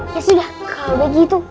ya sudah kalo begitu